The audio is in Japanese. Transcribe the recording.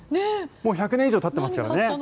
もう１００年以上たっていますからね。